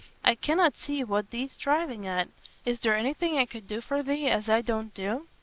"I canna see what thee't driving at. Is there anything I could do for thee as I don't do?"